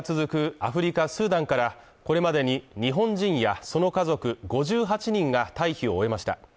アフリカ・スーダンから、これまでに日本人やその家族５８人が退避を終えました。